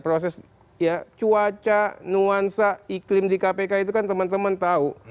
proses ya cuaca nuansa iklim di kpk itu kan teman teman tahu